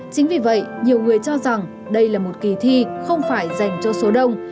chính vì vậy nhiều người cho rằng đây là một kỳ thi không phải dành cho số đông